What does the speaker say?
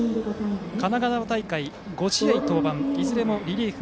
神奈川大会５試合登板いずれもリリーフ。